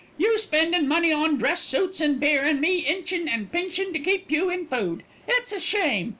"You spendin' money on dress suits and beer, an' me inchin' an' pinchin' to keep you in food. It's a shame.